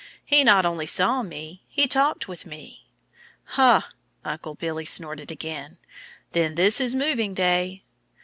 "He not only saw me. He talked with me." "Ha!" Uncle Billy snorted again. "Then this is moving day."